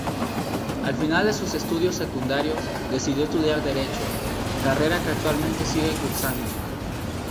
Al finalizar sus estudios secundarios decidió estudiar Derecho, carrera que actualmente sigue cursando.